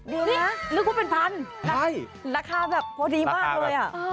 เดี๋ยวนะนึกว่าเป็นพันราคาแบบพอดีมากเลยอ่ะ